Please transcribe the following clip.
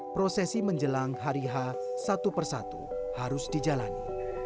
prosesi menjelang hari h satu persatu harus dijalani